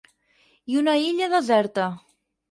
I una illa deserta.